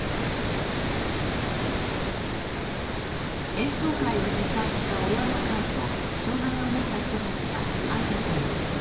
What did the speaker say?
演奏会を主催した親の会と障害をもった人たちが挨拶にやって来ました。